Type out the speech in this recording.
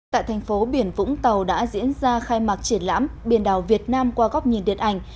tại thành phố biển vũng tàu đã diễn ra khai mạc triển lãm biển đảo việt nam qua góc nhìn điện ảnh